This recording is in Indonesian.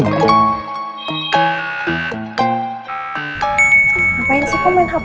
ngapain sih kok main hp mu